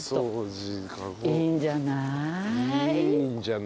「いいんじゃない」